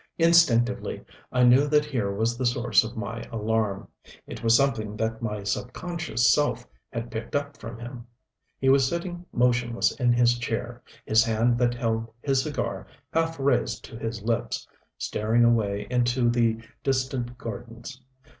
Instinctively I knew that here was the source of my alarm. It was something that my subconscious self had picked up from him. He was sitting motionless in his chair, his hand that held his cigar half raised to his lips, staring away into the distant gardens.